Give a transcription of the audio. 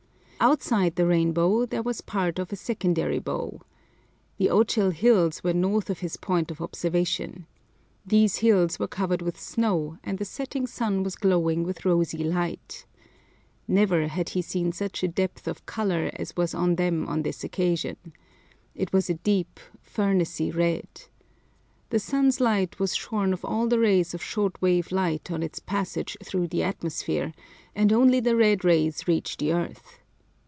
Outside the rainbow there was part of a secondary bow. The Ochil Hills were north of his point of observation. These hills were covered with snow, and the setting sun was glowing with rosy light. Never had he seen such a depth of colour as was on them on this occasion. It was a deep, furnacy red. The sun's light was shorn of all the rays of short wave length on its passage through the atmosphere, and only the red rays reached the earth.